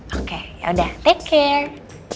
oke yaudah take care